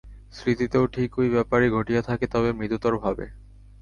স্মৃতিতেও ঠিক ঐ ব্যাপারই ঘটিয়া থাকে, তবে মৃদুতরভাবে।